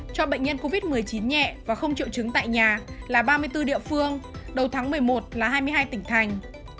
cho bệnh nhân covid một mươi chín nhẹ và không triệu chứng tại nhà là ba mươi bốn địa phương đầu tháng một mươi một là hai mươi hai tỉnh thành